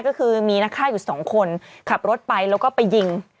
ก็คือมีนักฆ่าอยู่สองคนขับรถไปแล้วก็ไปยิง